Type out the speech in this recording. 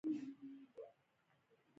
دوه ورځې احمد خپل دوکانونه سپینول.